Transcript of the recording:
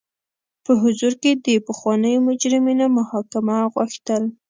په حضور کې د پخوانیو مجرمینو محاکمه غوښتل.